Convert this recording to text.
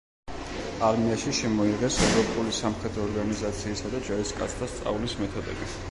არმიაში შემოიღეს ევროპული სამხედრო ორგანიზაციისა და ჯარისკაცთა სწავლის მეთოდები.